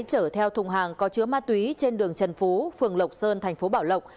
chở theo thùng hàng có chứa ma túy trên đường trần phú phường lộc sơn thành phố bảo lộc